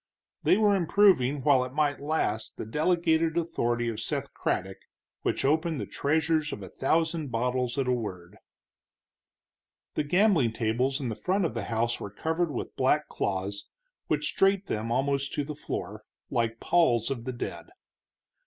They were improving while it might last the delegated authority of Seth Craddock, which opened the treasures of a thousand bottles at a word. The gambling tables in the front of the house were covered with black cloths, which draped them almost to the floor, like palls of the dead.